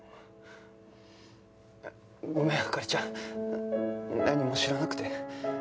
ごめん灯ちゃん何も知らなくて。